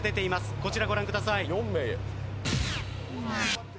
こちらご覧ください。